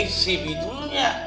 eh si bidulnya